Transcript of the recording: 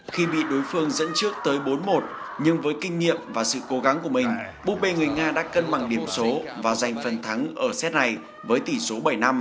khi bị đối phương dẫn trước tới bốn một nhưng với kinh nghiệm và sự cố gắng của mình bupe người nga đã cân bằng điểm số và giành phần thắng ở xét này với tỷ số bảy năm